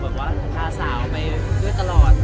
แบบว่าพาสาวไปด้วยตลอด